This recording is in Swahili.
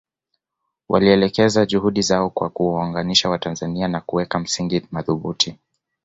Walielekeza juhudi zao kwa kuwaunganisha Watanzania na kuweka misingi madhubuti